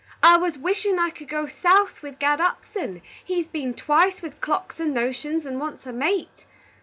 "I was wishin' I could go South with Gad Upson. He's been twice with clocks and notions, and wants a mate.